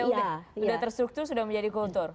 sudah terstruktur sudah menjadi kultur